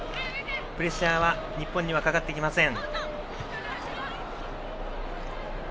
プレッシャーは日本にかかってきません。